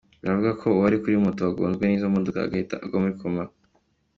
Biravugwa ko uwari kuri moto wagonzwe n’izo modoka agahita agwa muri koma.